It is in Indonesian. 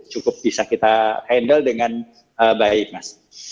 cukup bisa kita handle dengan baik mas